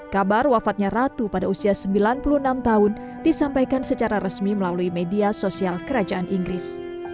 kabar wafatnya ratu pada usia sembilan puluh enam tahun disampaikan secara resmi melalui media sosial kerajaan inggris